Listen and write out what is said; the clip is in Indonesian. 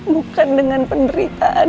bukan dengan penderitaan